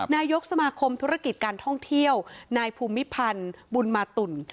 นายกสมาคมธุรกิจการท่องเที่ยวนายภูมิพันธ์บุญมาตุ่น